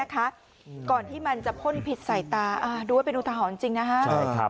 ก่อนที่มันพ้นพิษใส่ตาจะดูว่าเป็นอุทหะหอนจริงนะครับ